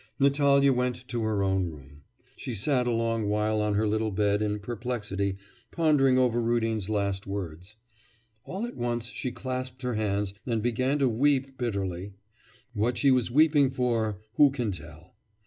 Natalya went to her own room. She sat a long while on her little bed in perplexity, pondering over Rudin's last words. All at once she clasped her hands and began to weep bitterly. What she was weeping for who can tell?